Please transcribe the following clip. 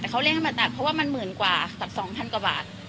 แต่เขาเรียกให้มาตัดเพราะว่ามันหมื่นกว่ากับ๒๐๐กว่าบาท